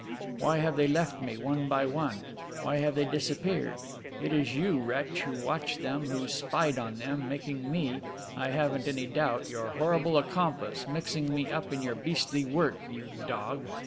Why have they left me, one by one? Why have they disappeared? It is you, wretch, who watched them, who spied on them, making me, I haven't any doubt, your horrible accomplice, mixing me up in your beastly work, you dog!